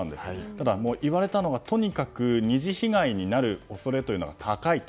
ただ、言われたのはとにかく二次被害になる恐れというのが高いと。